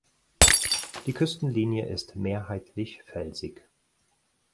Die Küstenlinie ist mehrheitlich felsig.